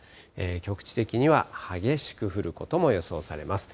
局地的には激しく降ることも予想されます。